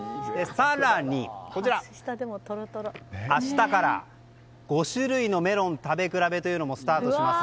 更に明日から、５種類のメロン食べ比べというのもスタートします。